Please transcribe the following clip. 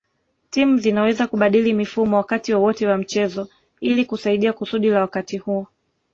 Timu zinaweza kubadili mifumo wakati wowote wa mchezo ilikusaidia kusudi la wakati huo